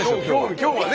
今日はね